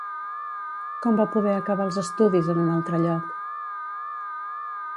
Com va poder acabar els estudis en un altre lloc?